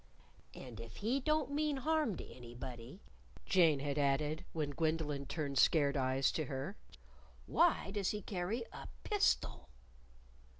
"And if he don't mean harm to anybody," Jane had added when Gwendolyn turned scared eyes to her, "why does he carry a _pistol?